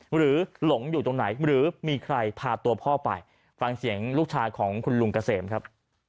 หลงอยู่ตรงไหนหรือมีใครพาตัวพ่อไปฟังเสียงลูกชายของคุณลุงเกษมครับ